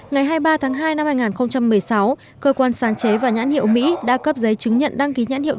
ngày hai mươi ba tháng hai năm hai nghìn một mươi sáu cơ quan sáng chế và nhãn hiệu mỹ đã cấp giấy chứng nhận đăng ký nhãn hiệu